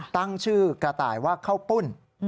ตั้งชื่อกระต่ายว่าข้าวปุ้น